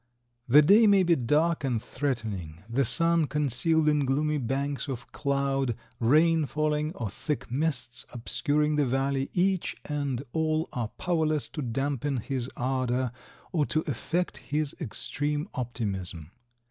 The day may be dark and threatening, the sun concealed in gloomy banks of cloud, rain falling, or thick mists obscuring the valley; each and all are powerless to dampen his ardor or to effect his extreme optimism.